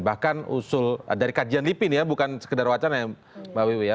bahkan usul dari kajian lipin ya bukan sekedar wacana ya mbak wiwi ya